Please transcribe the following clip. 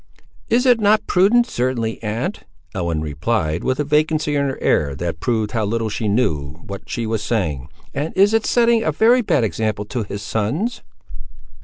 "It is not prudent, certainly, aunt," Ellen replied, with a vacancy in her air, that proved how little she knew what she was saying; "and it is setting a very bad example to his sons."